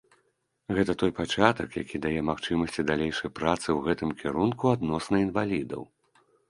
Гэта той пачатак, які дае магчымасці далейшай працы ў гэтым кірунку адносна інвалідаў.